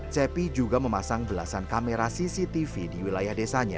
cepi juga memasang belasan kamera cctv di wilayah desanya